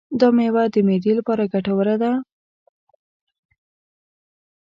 دا مېوه د معدې لپاره ګټوره ده.